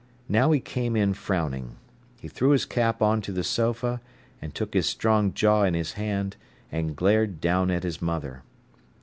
Now he came in frowning. He threw his cap on to the sofa, and took his strong jaw in his hand, and glared down at his mother.